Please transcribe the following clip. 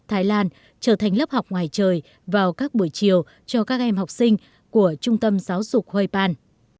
thái lan trở thành lớp học ngoài trời vào các buổi chiều cho các em học sinh của trung tâm giáo dục huay pan